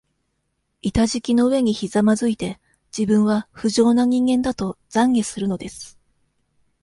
板敷きの上にひざまづいて、自分は、不浄な人間だと、懺悔するのです。